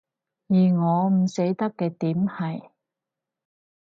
而我唔捨得嘅點係